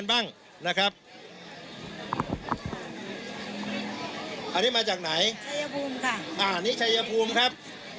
อ่านี่ชัยยภูมิครับ